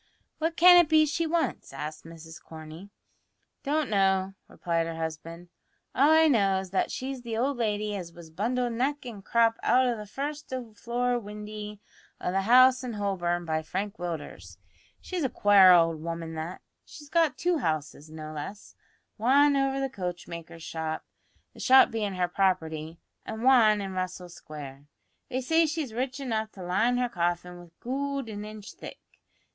"What can it be she wants?" asked Mrs Corney. "Don't know," replied her husband. "All I know is that she's the old lady as was bundled neck and crop out o' the first floor windy o' the house in Holborn by Frank Willders. She's a quare owld woman that. She's got two houses, no less; wan over the coachmaker's shop the shop bein' her property an' wan in Russell Square. They say she's rich enough to line her coffin with goold an inch thick.